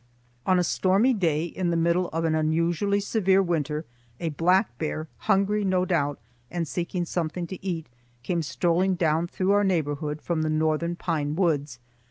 On a stormy day in the middle of an unusually severe winter, a black bear, hungry, no doubt, and seeking something to eat, came strolling down through our neighborhood from the northern pine woods.